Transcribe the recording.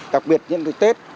đặc biệt nhất là tết